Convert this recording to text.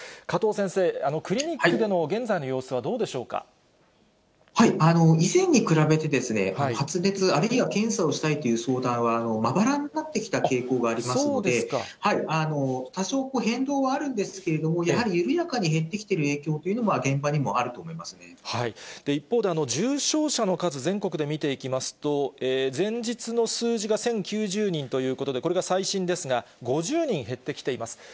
加藤先生、クリニックでの、以前に比べて、発熱、あるいは検査をしたいという相談はまばらになってきた傾向がありますので、多少、変動はあるんですけれども、やはり緩やかに減ってきている影響というのも現場にもあると思い一方で、重症者の数、全国で見ていきますと、前日の数字が１０９０人ということで、これがさいしんですが５０人減ってきています。